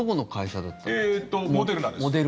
モデルナです。